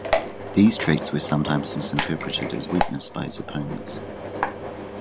These traits were sometimes misinterpreted as weakness by his opponents.